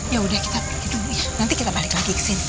ya udah kita pergi dulu ya nanti kita balik lagi kesini